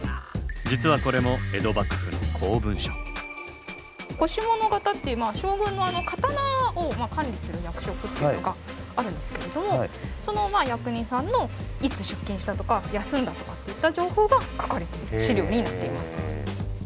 実はこれも腰物方っていう将軍の刀を管理する役職っていうのがあるんですけれどその役人さんのいつ出勤したとか休んだとかっていった情報が書かれている資料になっています。